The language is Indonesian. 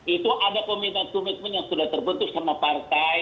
itu ada komitmen komitmen yang sudah terbentuk sama partai